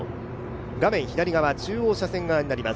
画面左側、中央車線側になります。